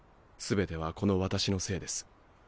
全てはこの私のせいです。